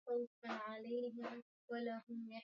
watoto wa eneo hilo wako kwenye hatari